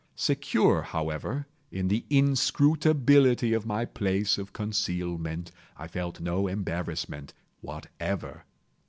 Secure, however, in the inscrutability of my place of concealment, I felt no embarrassment whatever.